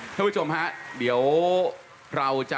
ท่านผู้ชมฮะเดี๋ยวเราจะ